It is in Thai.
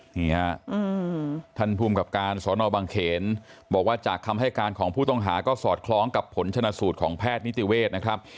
นี่ฮะท่านภูมิกับการสอนอบังเขนบอกว่าจากคำให้การของผู้ต้องหาก็สอดคล้องกับผลชนะสูตรของแพทย์นิติเวศนะครับ